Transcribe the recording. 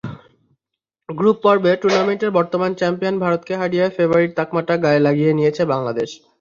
Group পর্বে টুর্নামেন্টের বর্তমান চ্যাম্পিয়ন ভারতকে হারিয়ে ফেবারিট তকমাটা গায়ে লাগিয়ে নিয়েছে বাংলাদেশ।